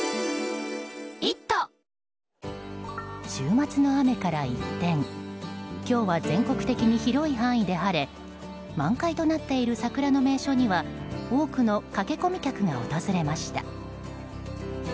週末の雨から一転今日は全国的に広い範囲で晴れ満開となっている桜の名所には多くの駆け込み客が訪れました。